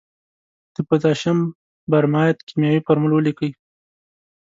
د پوتاشیم برماید کیمیاوي فورمول ولیکئ.